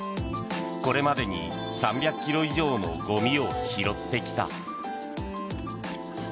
これまでに３００ｋｇ以上のゴミを拾ってきた。